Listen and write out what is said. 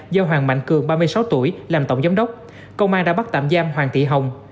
do hoàng mạnh cường ba mươi sáu tuổi làm tổng giám đốc công an đã bắt tạm giam hoàng thị hồng